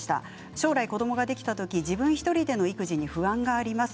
将来、子どもができた時自分１人での育児に不安があります。